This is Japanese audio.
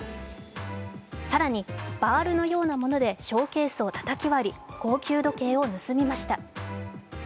更にバールのようなものでショーケースをたたき割り高級時計を盗みました。